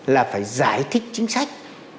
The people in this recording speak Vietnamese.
là phải giải thích chính sách